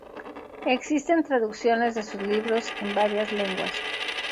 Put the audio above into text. Existen traducciones de sus libros en varias lenguas.